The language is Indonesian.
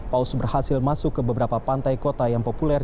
paus berhasil masuk ke beberapa pantai kota yang populer